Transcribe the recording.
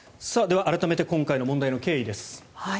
改めて今回の問題の経緯です。